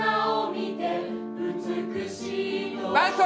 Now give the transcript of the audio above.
「美しいと」